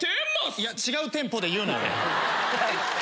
いや違うテンポで言うなよ！